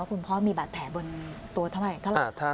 คุณพ่อมีบาดแผลบนตัวเท่าไหร่